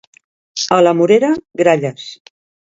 A la Morera, gralles.